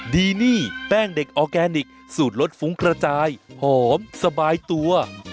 ดีนี่แป้งเด็กออร์แกนิคสูตรรสฟุ้งกระจายหอมสบายตัว